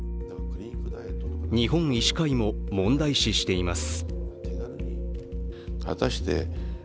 日本医師会も問題視しています。